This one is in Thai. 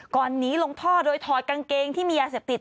ก่อนหนีลงท่อโดยถอดกางเกงที่มียาเสพติด